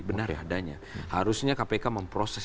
benar ya adanya harusnya kpk memproses